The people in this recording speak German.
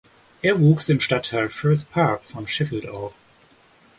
Er wuchs im Stadtteil Firth Park von Sheffield auf.